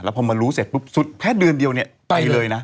แล้วพอมารู้เสร็จแพทย์เดือนเดียวเนี่ยตายเลยนะ